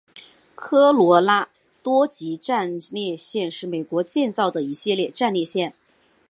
科罗拉多级战列舰是美国建造的一种战列舰。